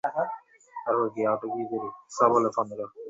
তিনি এশীয়দের মধ্যে সাহিত্যে প্রথম নোবেল পুরস্কার লাভ করেন।